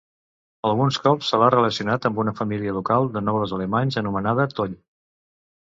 Alguns cops se l'ha relacionat amb una família local de nobles alemanys anomenada Toll.